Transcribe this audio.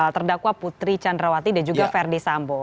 terdakwa putri candrawati dan juga verdi sambo